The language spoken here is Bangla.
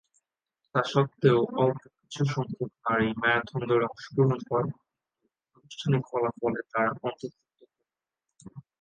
তাস্বত্ত্বেও অল্প কিছুসংখ্যক নারী ম্যারাথন দৌড়ে অংশগ্রহণ করেন কিন্তু আনুষ্ঠানিক ফলাফলে তারা অন্তর্ভুক্ত হননি।